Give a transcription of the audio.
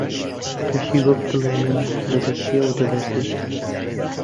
تەشی وەکو دڵی من، لە دەستی ئەو دەلەرزی